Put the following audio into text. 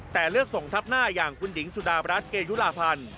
แต่เลือกส่งทับหน้าอย่างคุณหญิงสุดารัฐเกยุลาพันธ์